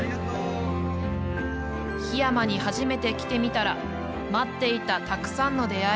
桧山にはじめて来てみたら待っていたたくさんの出会い。